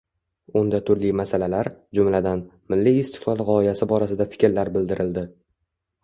Unda turli masalalar, jumladan, milliy istiqlol g‘oyasi borasida fikrlar bildirildi